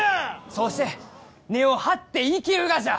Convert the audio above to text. そうして根を張って生きるがじゃ！